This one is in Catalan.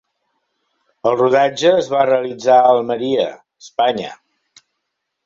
El rodatge es va realitzar a Almeria, Espanya.